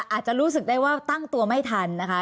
อาจจะรู้สึกได้ว่าตั้งตัวไม่ทันนะคะ